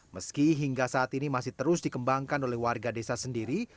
meski hingga saat ini masih terus dikembangkan oleh warga desa sendiri